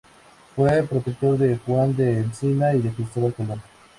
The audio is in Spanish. Fue protector de Juan del Encina y de Cristóbal Colón.